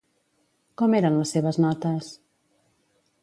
Com eren les seves notes?